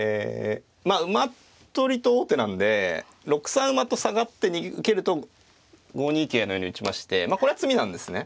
まあ馬取りと王手なんで６三馬と下がって受けると５二桂のように打ちましてまあこれは詰みなんですね。